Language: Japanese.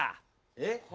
えっ。